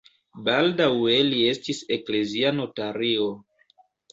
Baldaŭe li estis eklezia notario.